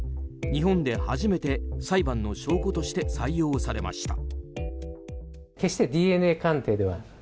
日本で初めて裁判の証拠として採用されました。